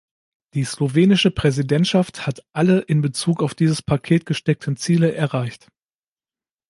Die slowenische Präsidentschaft hat alle in Bezug auf dieses Paket gesteckten Ziele erreicht.